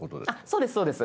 そうですそうです。